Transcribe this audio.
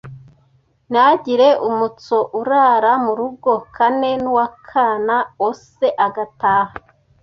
Ntihagire Umutsoe urara mu rugo Kane n’uw’akana ose agataha